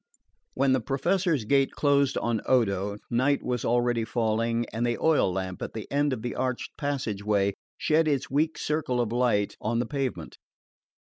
When the Professor's gate closed on Odo night was already falling and the oil lamp at the end of the arched passage way shed its weak circle of light on the pavement.